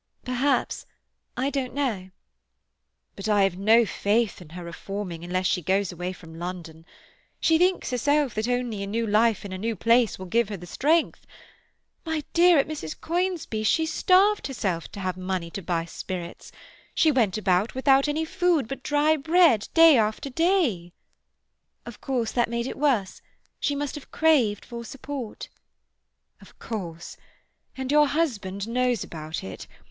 "Perhaps—I don't know—" "But I have no faith in her reforming unless she goes away from London. She thinks herself that only a new life in a new place will give her the strength. My dear, at Mrs. Conisbee's she starved herself to have money to buy spirits; she went without any food but dry bread day after day." "Of course that made it worse. She must have craved for support." "Of course. And your husband knows about it.